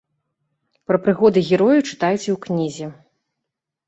Пра прыгоды герояў чытайце ў кнізе.